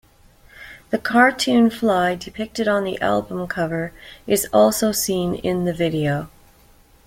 The cartoon fly depicted on the album cover is also seen in the video.